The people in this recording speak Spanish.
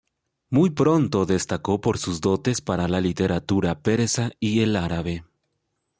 Muy pronto destacó por sus dotes para la literatura persa y el árabe.